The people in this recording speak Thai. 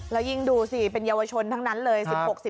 แล้วยิ่งดูสิเป็นเยาวชนทั้งนั้นเลย